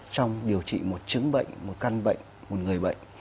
trong điều trị một chứng bệnh một căn bệnh một người bệnh